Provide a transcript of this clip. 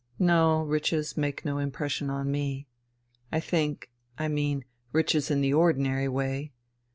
"No, riches make no impression on me, I think I mean, riches in the ordinary way.